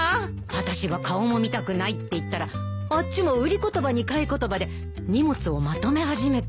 私が顔も見たくないって言ったらあっちも売り言葉に買い言葉で荷物をまとめ始めて。